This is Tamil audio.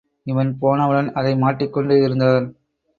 இவன் போனவுடன் அதை மாட்டிக் கொண்டு இருந்தார்.